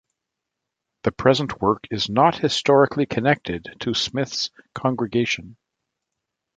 The present work is not historically connected to Smyth's congregation.